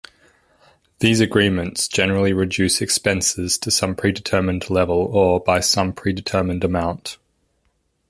These agreements generally reduce expenses to some pre-determined level or by some pre-determined amount.